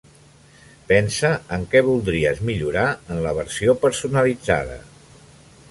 Pensa en què voldries millorar en la versió personalitzada.